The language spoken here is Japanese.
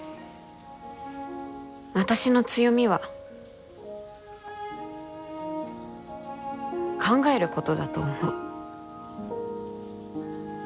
私の強みは考えることだと思う。